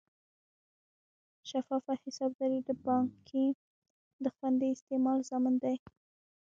شفافه حسابداري د پانګې د خوندي استعمال ضامن ده.